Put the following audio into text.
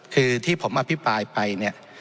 คือที่ผมอภิปรายไปเนี่ย